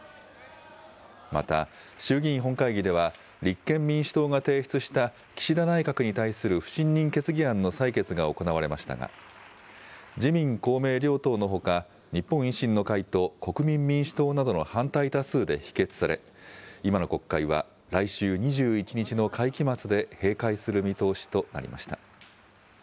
また衆議院本会議では、立憲民主党が提出した岸田内閣に対する不信任決議案の採決が行われましたが、自民、公明両党のほか、日本維新の会と国民民主党などの反対多数で否決され、今の国会は来週２１日の会期末で閉会する見通しとなりました。